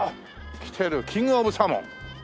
きてるキングオブサーモン。